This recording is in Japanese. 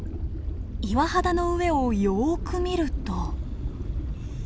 岩肌の上をよく見ると。